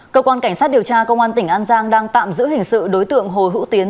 cơ quan cảnh sát điều tra công an tỉnh an giang đang tạm giữ hình sự đối tượng hồ hữu tiến